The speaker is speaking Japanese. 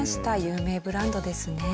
有名ブランドですね。